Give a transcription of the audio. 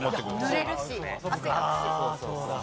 ぬれるし汗かくし。